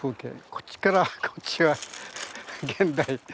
こっちからこっちは現代。